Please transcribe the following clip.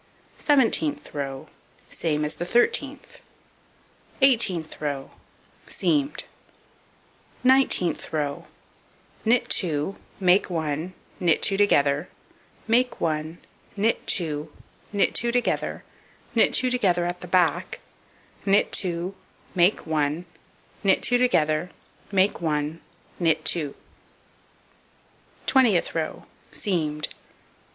Seventeenth row: Same as the 13th. Eighteenth row: Seamed. Nineteenth row: Knit 2, make 1, knit 2 together, make 1, knit 2, knit 2 together, knit 2 together at the back, knit 2, make 1, knit 2 together, make 1, knit 2. Twentieth row: Seamed.